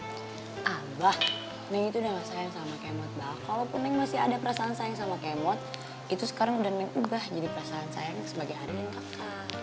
abah neng itu udah gak sayang sama kemot bah kalaupun neng masih ada perasaan sayang sama kemot itu sekarang udah neng ubah jadi perasaan sayang sebagai harim kakak